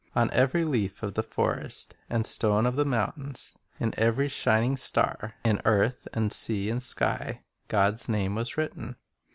On every leaf of the forest and stone of the mountains, in every shining star, in earth and sea and sky, God's name was written.